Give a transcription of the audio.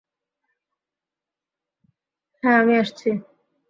হ্যাঁ, আমি আসছি!